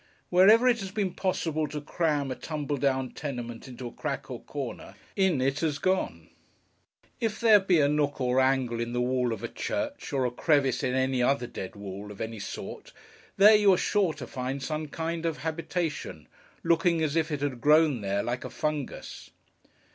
Wherever it has been possible to cram a tumble down tenement into a crack or corner, in it has gone. If there be a nook or angle in the wall of a church, or a crevice in any other dead wall, of any sort, there you are sure to find some kind of habitation: looking as if it had grown there, like a fungus.